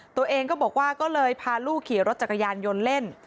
ตัวเองก็บอกว่าก็เลยพาลูกขี่รถจักรยานยนต์เล่น